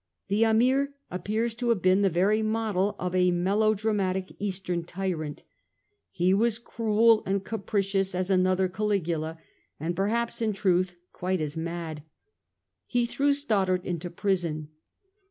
The Am apt appears to have been the very model of a melodrama tic Eastern tyrant. He was cruel and capricious as another Caligula, and perhaps in truth quite as mad. 1842. THE BOKHARA CAPTIVES. 267 He threw Stoddart into prison.